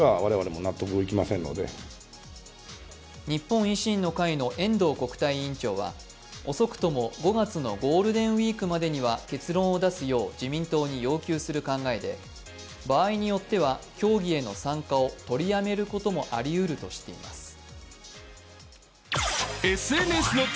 日本維新の会の遠藤国対委員長は、遅くとも５月のゴールデンウイークまでには結論を出すよう自民党に要求する考えで場合によっては協議への参加を取りやめることもありえるとしています。